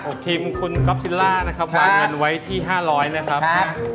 ครับผมทีมคุณก็อฟซิลล่านะครับมาเงินไว้ที่๕๐๐นะครับครับ